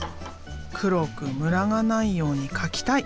黒くムラがないように描きたい！